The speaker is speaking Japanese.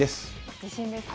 自信ですか？